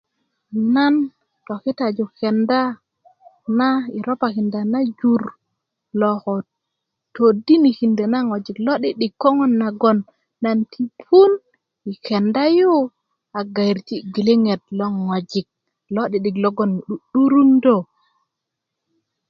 nan tokitaju kenda na i ropakinda na jur lo ko todinikindö na ŋojik lo'di'dik koŋön nagon nan ti pun i kenda yu a gayerju na gwiliŋet lo ŋojik lo'di'dik logon nyu 'du'durundö